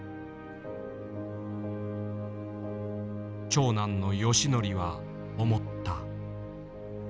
長男の宜敬は思った。